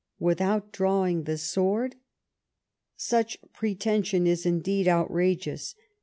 Without drawing the sword ! Such pretension is indcbd outrageous!